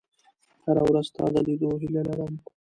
• هره ورځ ستا د لیدو هیله لرم.